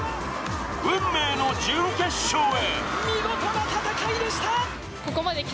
運命の準決勝へ。